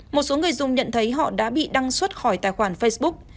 một số người dùng nhận thấy họ đã bị đăng xuất khỏi tài khoản facebook